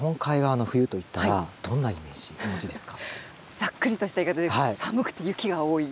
ざっくりとした言い方で寒くて雪が多い。